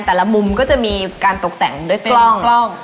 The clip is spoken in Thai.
แต่ละมุมก็จะมีการตกแต่งด้วยกล้อง